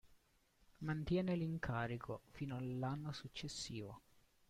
Mantiene l'incarico fino all'anno successivo.